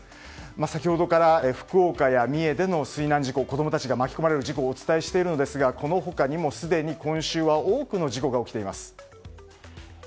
先ほどから福岡や三重での水難事故、子供たちが巻き込まれる事故をお伝えしているのですがこの他にもすでに今週は多くの事故が起きています。